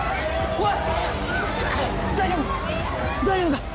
大丈夫？